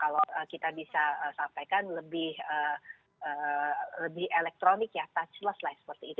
kalau kita bisa sampaikan lebih elektronik ya touchless lah seperti itu